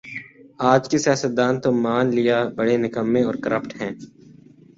آج کے سیاستدان تو مان لیا بڑے نکمّے اورکرپٹ ہیں